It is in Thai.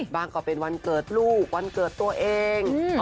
ก็เป็นวันเกิดลูกวันเกิดตัวเอง